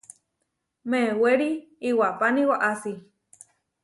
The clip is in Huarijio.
Mewéri iwapáni waʼási.